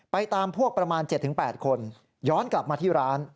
ตามพวกประมาณ๗๘คนย้อนกลับมาที่ร้าน